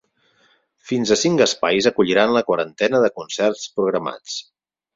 Fins a cinc espais acolliran la quarantena de concerts programats.